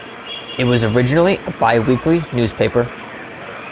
It was originally a biweekly newspaper.